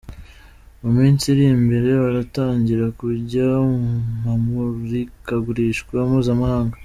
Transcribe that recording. Mu minsi iri mbere baratangira kujya mu mamurikagurishwa mpuzamahanga.